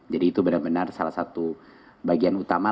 jadi itu benar benar salah satu bagian utama